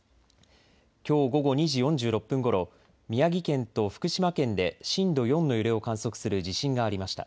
きょう午後２時４６分ごろ、宮城県と福島県で震度４の揺れを観測する地震がありました。